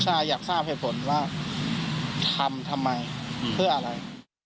ใช่อยากทราบเหตุผลว่าทำทำไมเพื่ออะไร